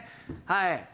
はい。